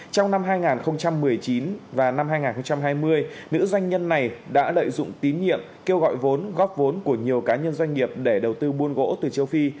trong năm hai nghìn một mươi chín và năm hai nghìn hai mươi nữ doanh nhân này đã lợi dụng tín nhiệm kêu gọi vốn góp vốn của nhiều cá nhân doanh nghiệp để đầu tư buôn gỗ từ châu phi